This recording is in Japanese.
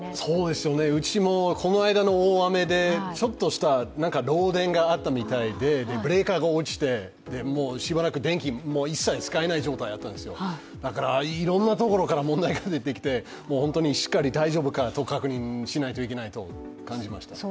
うちもこの間の大雨でちょっとした漏電があったみたいで、ブレーカーが落ちてしばらく電気一切使えない状態だったんですよだから、いろんなところから問題が出てきて、しっかり大丈夫かと確認しないといけないと感じました。